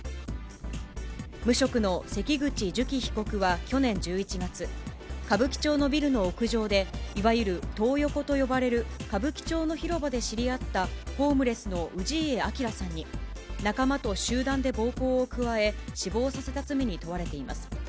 無職の関口寿喜被告は去年１１月、歌舞伎町のビルの屋上で、いわゆるトー横と呼ばれる歌舞伎町の広場で知り合ったホームレスの氏家彰さんに、仲間と集団で暴行を加え、死亡させた罪に問われています。